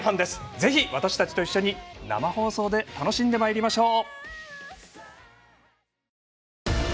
ぜひ、私たちと一緒に生放送で楽しんでまいりましょう。